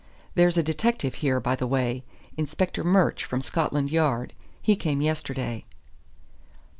There's a detective here, by the way; Inspector Murch, from Scotland Yard. He came yesterday."